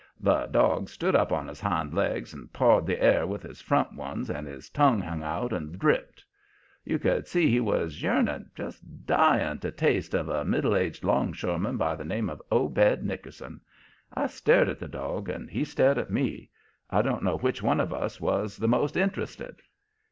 The dog stood up on his hind legs and pawed the air with his front ones, and his tongue hung out and dripped. You could see he was yearning, just dying, to taste of a middle aged longshoreman by the name of Obed Nickerson. I stared at the dog, and he stared at me. I don't know which of us was the most interested.